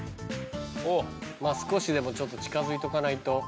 少しでもちょっと近づいとかないと。